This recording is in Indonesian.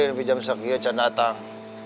bija misalnya kia can datang